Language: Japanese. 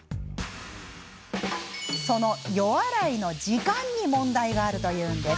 その予洗いの時間に問題があるというんです。